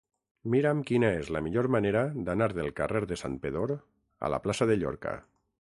Mira'm quina és la millor manera d'anar del carrer de Santpedor a la plaça de Llorca.